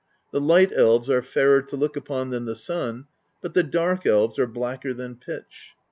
The Light Elves are fairer to look upon than the sun, but the Dark Elves are blacker than pitch.